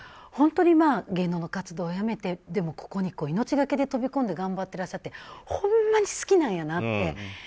本当に芸能活動をやめてでも、ここに命がけで飛び込んで頑張っていらっしゃってほんまに好きなんやなって。